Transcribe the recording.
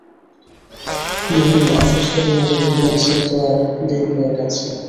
মহিম আশ্বস্ত হইয়া কহিলেন, সে তো আর দিন কয়েক আছে।